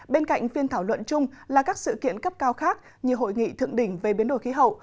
bên cạnh phiên thảo luận chung là các sự kiện cấp cao khác như hội nghị thượng đỉnh về biến đổi khí hậu